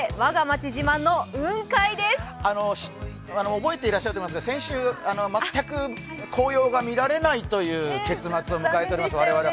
覚えてらっしゃる方いるでしょうか、先週、全く紅葉が見られないという結末を迎えております、我々は。